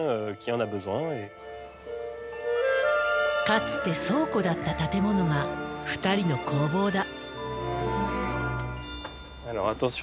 かつて倉庫だった建物が２人の工房だ。